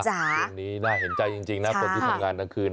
คนนี้น่าเห็นใจจริงนะคนที่ทำงานกลางคืน